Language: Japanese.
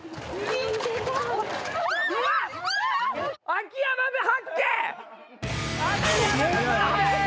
秋山発見！